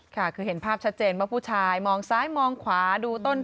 ค่ะคือเห็นภาพชัดเจนว่าผู้ชายมองซ้ายมองขวาดูต้น